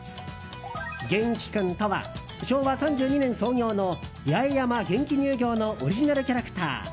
ゲンキ君とは、昭和３２年創業の八重山ゲンキ乳業のオリジナルキャラクター。